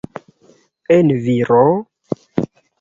En viro?